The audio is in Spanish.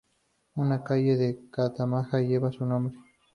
Una calle de Catamarca lleva su nombre.